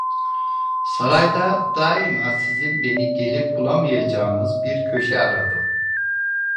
Sarayda daima sizin beni gelip bulamayacağınız bir köşe aradım…